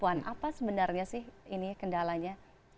apa sebenarnya sih ini kendalanya